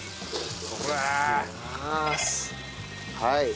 はい。